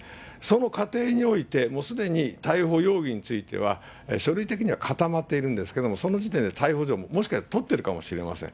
その過程において、もうすでに逮捕容疑については、書類的には固まっているんですけれども、その時点で逮捕状も、もしかしたら取っているかもしれません。